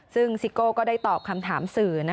ซึ่งซิโก้ก็ได้ตอบคำถามสื่อ